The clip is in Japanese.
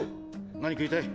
何食いたい？